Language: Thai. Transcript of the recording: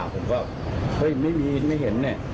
ผมก็เฮ่ยไม่มีไม่เห็น